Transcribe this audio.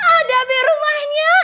ada abis rumahnya